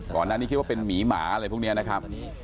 นั้นคิดว่าเป็นหมีหมาอะไรพวกนี้นะครับ